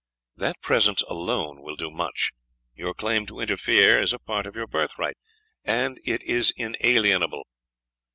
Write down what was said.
"That presence alone will do much. Your claim to interfere is a part of your birthright, and it is inalienable.